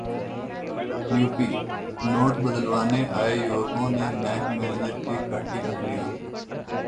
UP note बदलवाने आए युवकों ने बैंक मैनेजर की काटी उंगलियां